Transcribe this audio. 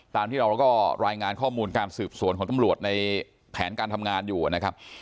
ตามที่เราก็รายงานข้อมูลการสืบสวนของตำรวจในแผนการทำงานอยู่นะครับ